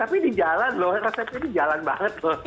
tapi ini jalan loh resepnya ini jalan banget loh